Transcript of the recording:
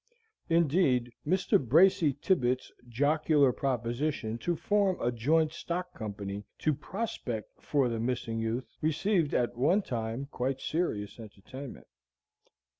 Indeed, Mr. Bracy Tibbets's jocular proposition to form a joint stock company to "prospect" for the missing youth received at one time quite serious entertainment.